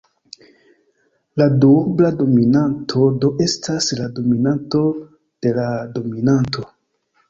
La duobla dominanto do estas la dominanto de la dominanto.